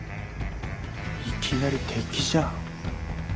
いきなり敵じゃん。